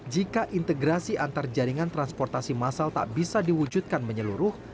jika integrasi antar jaringan transportasi masal tak bisa diwujudkan menyeluruh